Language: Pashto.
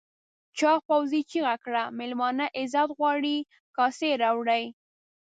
چاغ پوځي چیغه کړه مېلمانه عزت غواړي کاسې راوړئ.